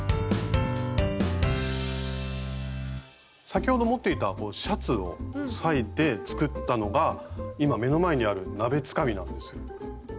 先ほど持っていたシャツを裂いて作ったのが今目の前にある鍋つかみなんですよ。